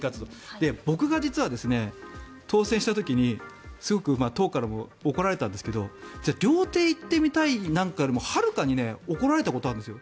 僕が実は、当選した時にすごく党からも怒られたんですが料亭に行ってみたいなんかよりもはるかに怒られたことあるんです。